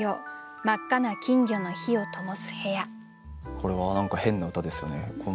これは何か変な歌ですよね。